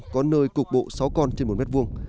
có nơi cục bộ sáu con trên một m hai